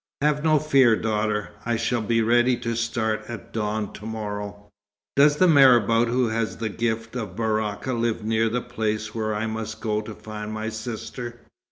Have no fear, daughter. I shall be ready to start at dawn to morrow." "Does the marabout who has the gift of Baraka live near the place where I must go to find my sister?"